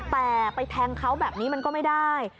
แต่ไปแทงเขาแบบนี้มันก็ไม่ได้